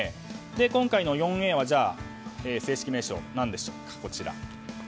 今回の４Ａはじゃあ、正式名称何でしょうか。